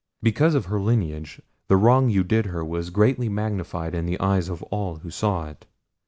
Because of her lineage the wrong you did her was greatly magnified in the eyes of all who saw it.